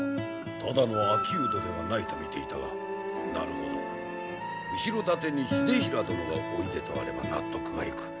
ただの商人ではないと見ていたがなるほど後ろ盾に秀衡殿がおいでとあれば納得がいく。